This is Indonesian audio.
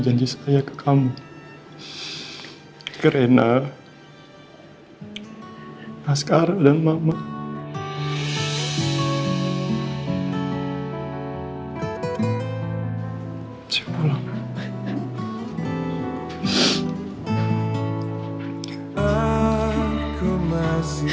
aku akan pernah kemana mana lagi